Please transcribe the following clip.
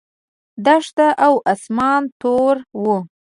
دښته او اسمان توره وه.